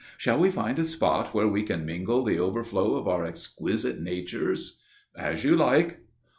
"Shall we find a spot where we can mingle the overflow of our exquisite natures?" "As you like."